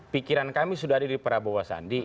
pikiran kami sudah ada di prabowo sandi